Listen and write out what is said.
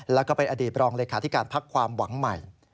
แล้วก็เป็นอดีตรองเลขาธิการพักความหวังใหม่